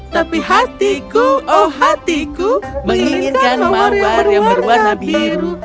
tapi hatiku oh hatiku menginginkan mawar yang berwarna biru